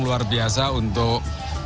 luar biasa untuk